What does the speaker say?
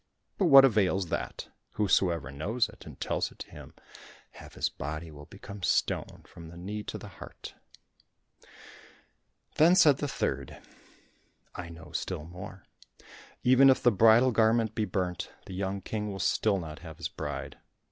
"But what avails that?" "Whosoever knows it and tells it to him, half his body will become stone from the knee to the heart." Then said the third, "I know still more; even if the bridal garment be burnt, the young King will still not have his bride.